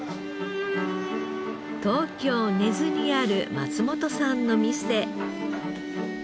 東京根津にある松本さんの店。